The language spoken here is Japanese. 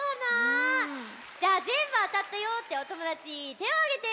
じゃあぜんぶあたったよっておともだちてをあげて！